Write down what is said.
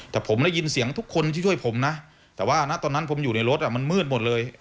แต่ผมได้ยินเสียงทุกคนที่ช่วยผมนะแต่ว่านะตอนนั้นผมอยู่ในรถมันมืดหมดเลย